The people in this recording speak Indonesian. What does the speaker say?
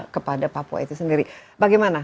kepada papua itu sendiri bagaimana